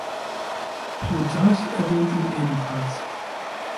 Plutarch erwähnt ihn ebenfalls.